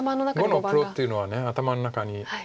碁のプロっていうのは頭の中に。